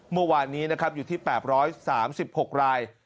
เมื่อวานนี้นะครับอยู่ที่๘๓๖ราย